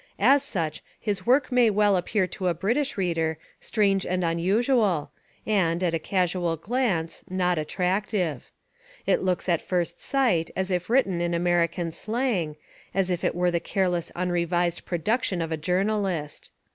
As such his work may well appear to a British reader strange and unusual, and, at a casual glance, not attractive. It looks at first sight as if written in American slang, as if it were the careless unrevlsed production of a journahst.